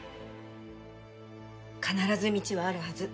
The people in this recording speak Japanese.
必ず道はあるはず。